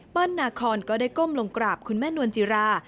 นาคอนก็ได้ก้มลงกราบคุณแม่นวลจิรา